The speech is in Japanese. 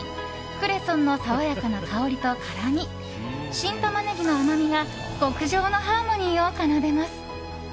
クレソンの爽やかな香りと辛み新タマネギの甘みが極上のハーモニーを奏でます。